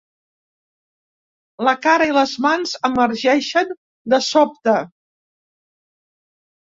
La cara i les mans emergeixen de sobte.